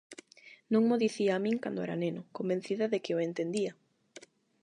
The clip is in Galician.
Non mo dicía a min cando era neno, convencida de que o entendía?